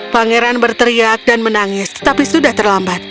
pangeran berteriak dan menangis tapi sudah terlambat